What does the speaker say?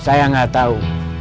saya gak tau